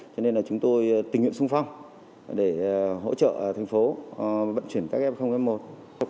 cho nên là chúng tôi tình nguyện sung phong để hỗ trợ thành phố vận chuyển các f một